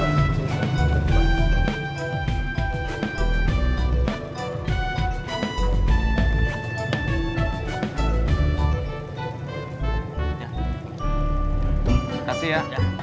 terima kasih ya